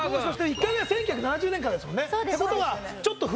１回目は１９７０年からですもんね